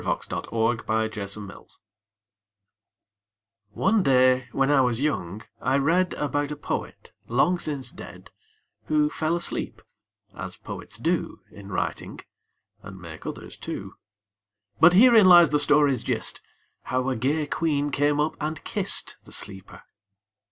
XXIX THE POET WHO SLEEPS One day, when I was young, I read About a poet, long since dead, Who fell asleep, as poets do In writing and make others too. But herein lies the story's gist, How a gay queen came up and kist The sleeper.